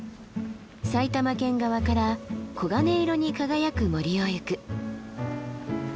埼玉県側から黄金色に輝く森を行く。